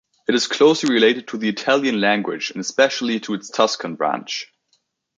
It is closely related to the Italian language and especially to its Tuscan branch.